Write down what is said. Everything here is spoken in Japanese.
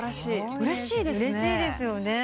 うれしいですよね。